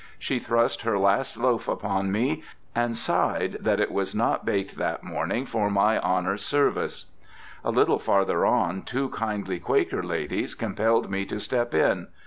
She thrust her last loaf upon me, and sighed that it was not baked that morning for my "honor's service." A little farther on, two kindly Quaker ladies compelled me to step in.